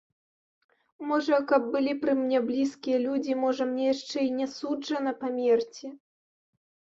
Можа каб былі пры мне блізкія людзі, можа мне яшчэ і не суджана памерці.